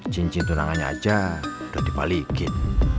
cincin tunangannya aja udah dipalikin